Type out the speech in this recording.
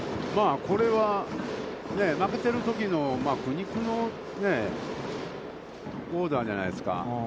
これは、負けてるときの苦肉のオーダーじゃないですか。